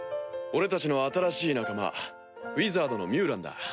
俺たちの新しい仲間ウィザードのミュウランだ。